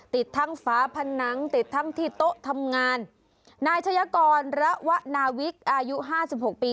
ติดทั้งฝาผนังติดทั้งที่โต๊ะทำงานนายชายกรระวนาวิกอายุห้าสิบหกปี